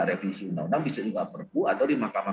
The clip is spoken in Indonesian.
revisi undang undang bisa juga perpu atau di mahkamah